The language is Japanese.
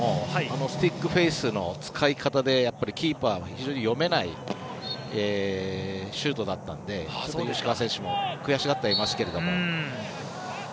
スティックフェースの使い方でキーパーの読めないシュートだったので悔しがってはいたんですけど。